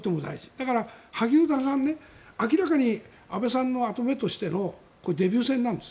だから、萩生田さん明らかに安倍さんの跡目としてのデビュー戦なんです。